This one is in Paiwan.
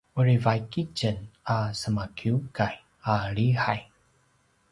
uri vaik itjen a semakiukay a lihay